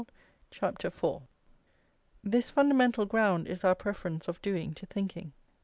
CHAPTER IV This fundamental ground is our preference of doing to thinking.